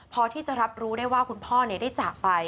พอที่จะรับรู้ได้ว่าคุณพ่อได้จากไป